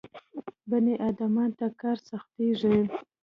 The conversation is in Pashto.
بني ادمانو ته کار سختېږي.